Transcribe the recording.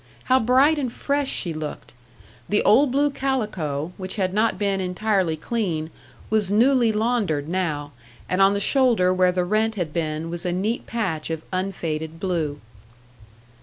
How bright and fresh she looked! The old blue calico, which had not been entirely clean, was newly laundered now, and on the shoulder where the rent had been was a neat patch of unfaded blue.